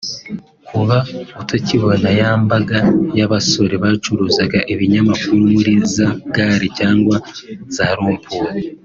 Kuba utakibona ya mbaga y’abasore bacuruzaga ibinyamakuru muri za gare cyangwa za rompuwe